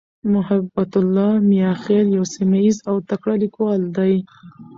محبتالله "میاخېل" یو سیمهییز او تکړه لیکوال دی.